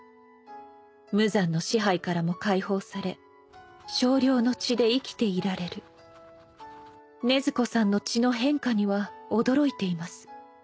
「無惨の支配からも解放され少量の血で生きていられる」「禰豆子さんの血の変化には驚いています」